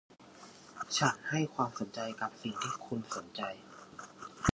ฉันให้ความสนใจกับสิ่งที่คุณสนใจ